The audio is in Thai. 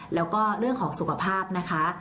แล้วก็เรื่องของสุขภาพนะคะ